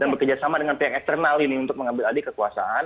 dan bekerjasama dengan pihak eksternal ini untuk mengambil alih kekuasaan